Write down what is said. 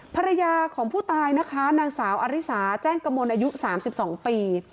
ภรรยาของผู้ตายนะคะนางสาวอริสาแจ้งกระมวลอายุ๓๒ปี